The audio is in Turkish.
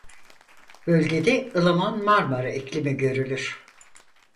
Bölgede ılıman Marmara iklimi görülür.